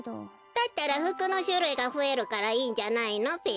だったらふくのしゅるいがふえるからいいんじゃないのべ。